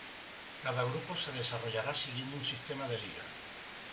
Cada grupo se desarrollará siguiendo un sistema de liga.